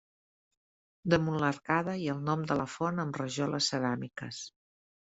Damunt l'arcada hi ha el nom de la font amb rajoles ceràmiques.